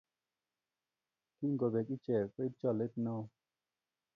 kingobeek iche koib cholet neo